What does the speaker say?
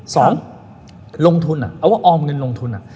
สองลงทุนอะเอาว่าออมเงินลงทุนอะ